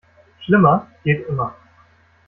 Schlimmer geht immer.